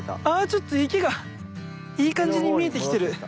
ちょっと池がいい感じに見えてきてる。